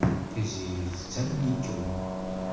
Tiziri tettamen-ikem.